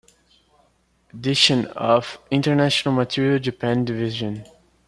Edition of International Material-Japan division.